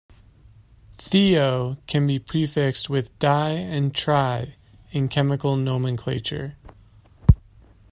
Thio- can be prefixed with di- and tri- in chemical nomenclature.